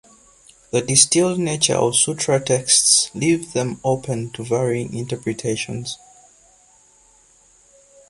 The distilled nature of sutra texts leave them open to varying interpretations.